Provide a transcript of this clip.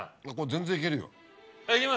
全然いける。